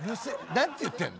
何て言ってんの？